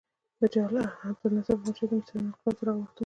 د جل عبدالناصر په مشرۍ د مصریانو انقلاب تر هغه وخته و.